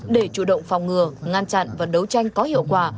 để chủ động phòng ngừa ngăn chặn và đấu tranh có hiệu quả